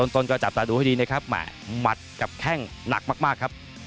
ต้นก็จับรองต่อดูให้ดีแม่มัดมัดกับแค่งหนักมาก